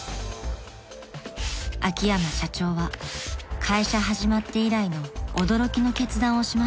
［秋山社長は会社始まって以来の驚きの決断をしました］